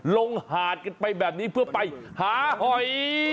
หาดกันไปแบบนี้เพื่อไปหาหอย